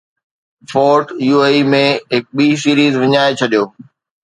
fort U A E ۾ هڪ ٻي series وڃائي ڇڏيو